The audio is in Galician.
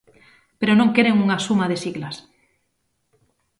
Pero non queren unha suma de siglas.